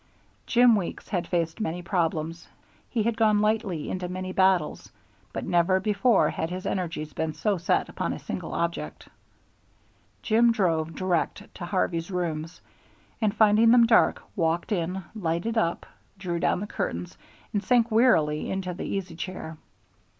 Jim Weeks had faced many problems, he had gone lightly into many battles, but never before had his energies been so set upon a single object. Jim drove direct to Harvey's rooms, and, finding them dark, walked in, lighted up, drew down the curtains, and sank wearily into the easy chair.